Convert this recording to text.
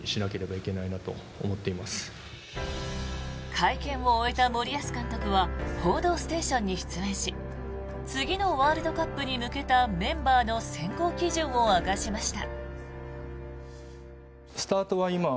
会見を終えた森保監督は「報道ステーション」に出演し次のワールドカップに向けたメンバーの選考基準を明かしました。